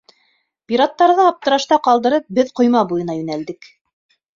Пираттарҙы аптырашта ҡалдырып, беҙ ҡойма буйына йүнәлдек.